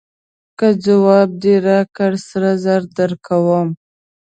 که ځواب دې راکړ سره زر درکوم.